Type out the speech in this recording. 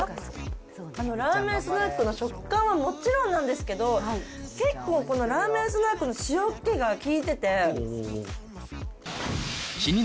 ラーメンスナックの食感はもちろんなんですけど、結構、このラーメンスナックの塩っ気が効いてて。